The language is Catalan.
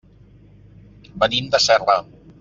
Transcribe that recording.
Venim de Serra.